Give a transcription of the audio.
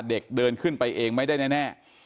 เด็กเดินขึ้นไปเองไม่ได้แน่